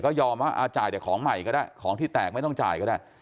ก็ยอมว่าจ่ายแต่ของใหม่ก็ได้ของที่แตกไม่ต้องจ่ายก็ได้